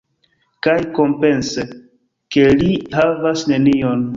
Kaj, kompense, ke li havas nenion.